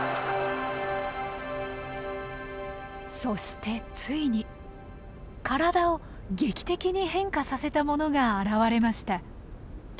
そしてついに体を劇的に変化させたものが現れました。